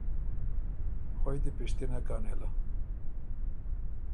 خؤئ دی پِشتِنه کۀ نېله۔